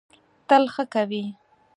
تل ښه کوی.